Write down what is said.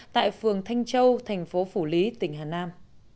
tại phường thanh châu thành phố phủ lý tỉnh hà nam